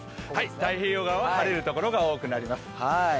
太平洋側は晴れるところが多くなります。